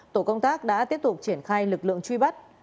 tổ công tác đã tiếp tục triển khai lực lượng truy bắt